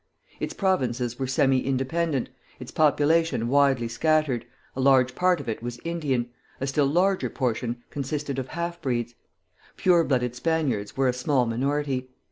Its provinces were semi independent, its population widely scattered, a large part of it was Indian, a still larger portion consisted of half breeds; pure blooded Spaniards were a small minority.